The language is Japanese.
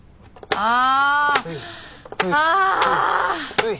ああ。